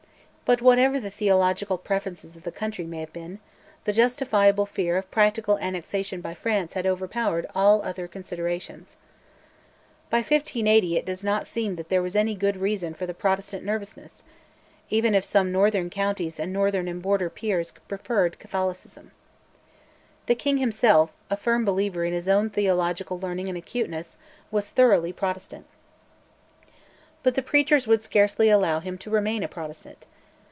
But whatever the theological preferences of the country may have been, the justifiable fear of practical annexation by France had overpowered all other considerations. By 1580 it does not seem that there was any good reason for the Protestant nervousness, even if some northern counties and northern and Border peers preferred Catholicism. The king himself, a firm believer in his own theological learning and acuteness, was thoroughly Protestant. But the preachers would scarcely allow him to remain a Protestant.